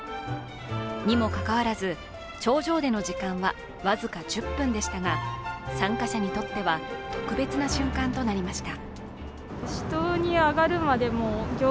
にもかかわらず、頂上での時間は僅か１０分でしたが参加者にとっては特別な瞬間となりました。